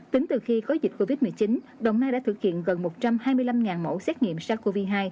tính từ khi có dịch covid một mươi chín đồng nai đã thực hiện gần một trăm hai mươi năm mẫu xét nghiệm sars cov hai